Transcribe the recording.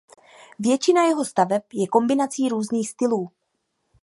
Většina jeho staveb je kombinací různých stylů.